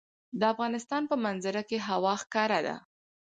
د افغانستان په منظره کې هوا ښکاره ده.